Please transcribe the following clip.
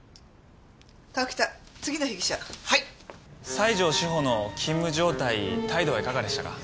西条史歩の勤務状態態度はいかがでしたか？